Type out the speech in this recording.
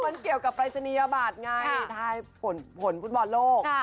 มันเกี่ยวกับปริศนียบาทไงถ้าให้ผลฟุตบอลโลก